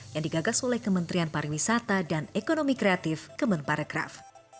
yang digagas oleh kementerian pariwisata dan ekonomi kreatif kemenparekraf